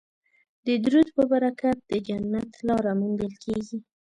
د درود په برکت د جنت لاره موندل کیږي